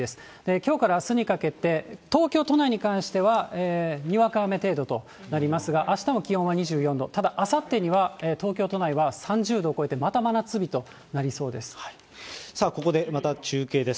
きょうからあすにかけて、東京都内に関しては、にわか雨程度となりますが、あしたも気温は２４度、ただ、あさってには東京都内は３０度を超えて、さあ、ここでまた中継です。